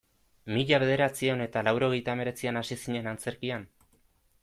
Mila bederatziehun eta laurogeita hemeretzian hasi zinen antzerkian?